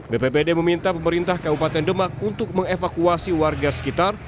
bpbd meminta pemerintah kabupaten demak untuk mengevakuasi warga sekitar